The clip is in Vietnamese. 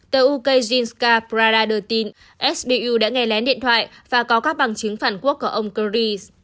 tờ ukazinska prada đưa tin sbu đã nghe lén điện thoại và có các bằng chứng phản quốc của ông knyi